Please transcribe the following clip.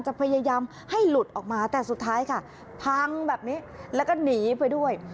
พยายามให้หลุดออกมาแต่สุดท้ายค่ะพังแบบนี้แล้วก็หนีไปด้วย